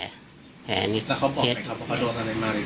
แล้วเค้าบอกไหมครับว่าเค้าโดนอะไรมาเนี่ย